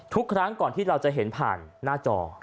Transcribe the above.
ทุกครั้งก่อนที่เราจะเห็นน่าจอ